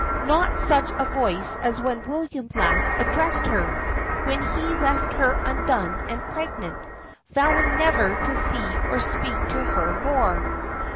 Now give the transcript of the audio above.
not such a voice as when William last addressed her; when he left her undone and pregnant, vowing never to see or speak to her more.